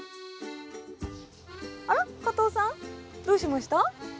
加藤さんどうしました？